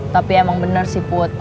tapi emang bener sih put